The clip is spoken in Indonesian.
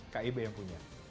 kib yang punya